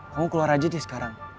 kamu keluar aja deh sekarang